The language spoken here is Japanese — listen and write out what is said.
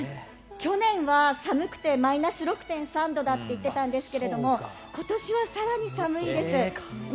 去年は寒くてマイナス６．３度だと言っていたんですが今年は更に寒いです。